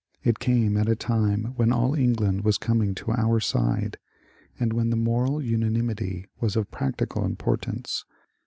It came at a time when all England was coming to our side, and when the moral unanim ity was of practical importance.